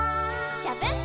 「ジャブン！」